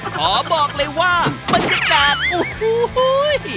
ขอบอกเลยว่าบรรยากาศอู้หู้หู้ย